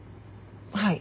はい。